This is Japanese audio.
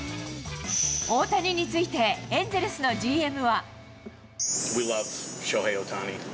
大谷について、エンゼルスのＧＭは。